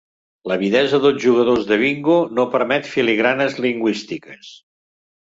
L'avidesa dels jugadors de bingo no permet filigranes lingüístiques.